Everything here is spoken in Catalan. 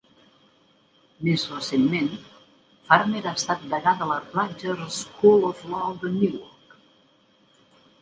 Més recentment, Farmer ha estat degà de la Rutgers School of Law de Newark.